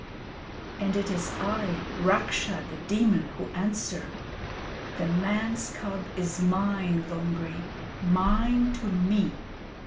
'And it is I, Raksha [The Demon], who answer. The man's cub is mine, Lungri mine to me!